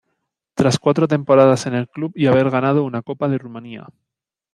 Tras cuatro temporadas en el club y haber ganado una copa de Rumania.